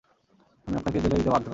আমি আপনাকে জেলে দিতে বাধ্য।